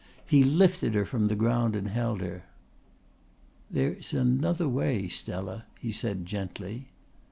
He lifted her from the ground and held her. "There's another way, Stella," he said gently.